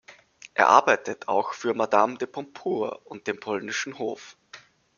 Er arbeitete auch für Madame de Pompadour und den polnischen Hof.